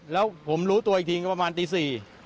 แล้วผมรู้ตัวอีกทีก็ประมาณตี๔